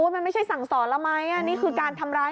มันไม่ใช่สั่งสอนแล้วไหมนี่คือการทำร้าย